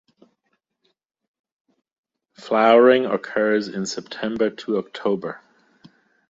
Flowering occurs in September-October.